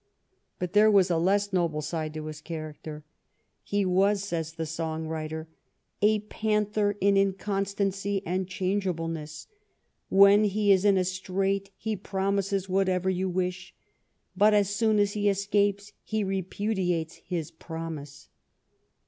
But there was a less noble side to his character. He was, says the song writer, "a panther in inconstancy and changeableness." "When he is in a strait he pro mises whatever you wish, but as soon as he escapes he repudiates his promise."